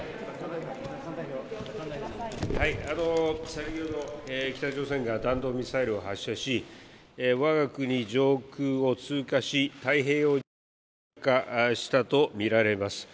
先ほど、北朝鮮が弾道ミサイルを発射し、わが国上空を通過し、太平洋上に落下したと見られます。